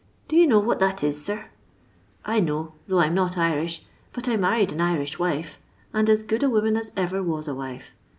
Do you know what that is, sir 1 I know, though I 'm not Irish, but I married an Irish wife, and as good a woman as ever was a wife.